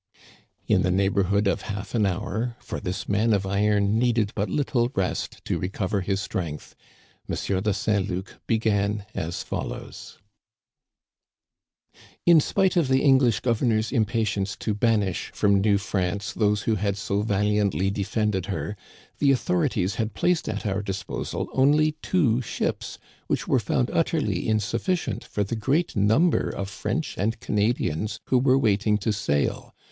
In the neighborhood of half an hour, for this man of iron needed but little rest to recover his strength, M. de Saint Luc began as follows :" In spite of the English governor's impatience to banish from New France those who had so valiantly de fended her, the authorities had placed at our disposal only two ships, which were found utterly insufficient for the great number of French and Canadians who were waiting to sail.